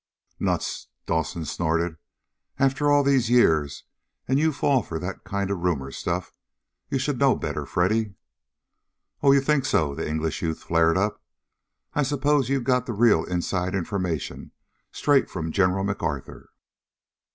"Nuts!" Dawson snorted. "After all these years, and you fall for that kind of rumor stuff. You should know better, Freddy!" "Oh, you think so?" the English youth flared up. "I suppose you've got the real inside information straight from General MacArthur?"